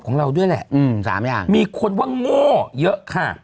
ของเราด้วยแหละมีคนว่างโม่เยอะค่ะ